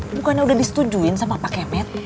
bukannya udah disetujuin sama pak kemet